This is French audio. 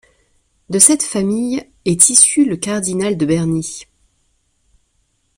De cette famille est issu le cardinal de Bernis.